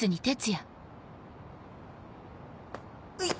ういっ！